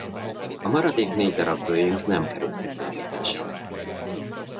A maradék négy darab Boeing nem került leszállításra.